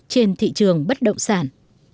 trên thị trường bất động sản